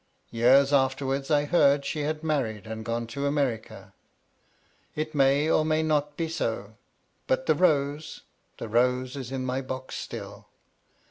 Years afterwards I heard she had married and gone to America; it may or may not be so but the rose the rose is in the box still!